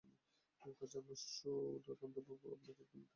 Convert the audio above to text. কাজেই আপনার সুধাকান্তবাবু আপনাকে একটা মিথ্যা কথা বলেছেন।